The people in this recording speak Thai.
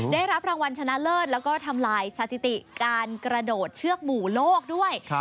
ได้รับรางวัลชนะเลิศแล้วก็ทำลายสถิติการกระโดดเชือกหมู่โลกด้วย